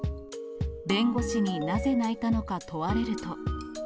弁護士になぜ泣いたのか問われると。